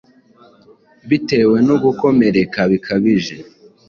Bitewe no gukomereka bikabije,